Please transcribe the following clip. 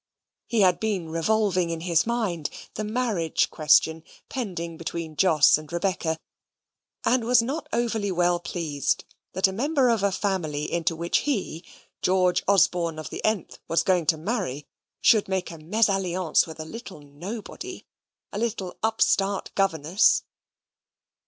He had been revolving in his mind the marriage question pending between Jos and Rebecca, and was not over well pleased that a member of a family into which he, George Osborne, of the th, was going to marry, should make a mesalliance with a little nobody a little upstart governess.